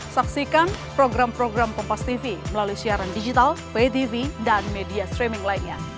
saksikan program program kompastv melalui siaran digital btv dan media streaming lainnya